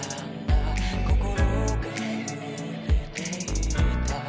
心が揺れていた」